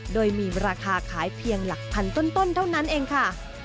โดยมีราคาขายเพียงหลักพันต้นเท่านั้นเองค่ะ